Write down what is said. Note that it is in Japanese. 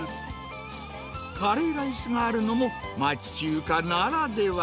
カレーライスがあるのも、町中華ならでは。